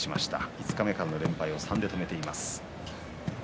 五日目からの連敗を３で止めています。